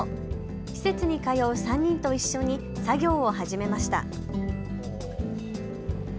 施設に通う３人と一緒に作業を始めました。